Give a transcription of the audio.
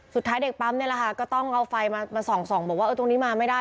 สุดท้ายเด็กปั๊มนี่แหละค่ะก็ต้องเอาไฟมาส่องบอกว่าตรงนี้มาไม่ได้